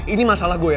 ini masalah gue ya